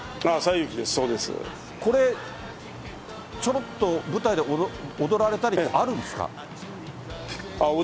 これ、ちょろっと舞台で踊られたり、あるんですか？